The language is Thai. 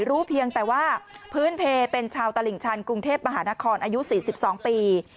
รู้เพียงแต่ว่าพื้นเพลเป็นชาวตลิ่งชันกรุงเทพมหานครอายุ๔๒ปี